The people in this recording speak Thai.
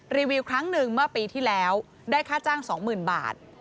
รีวิวครั้งหนึ่งเมื่อปีที่แล้วได้ค่าจ้าง๒๐๐๐บาท